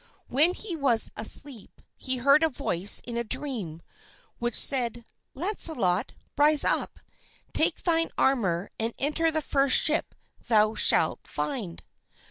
When he was asleep he heard a voice in a dream which said, "Launcelot, rise up, take thine armor and enter the first ship thou shalt find."